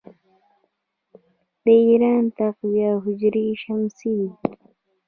د ایران تقویم هجري شمسي دی.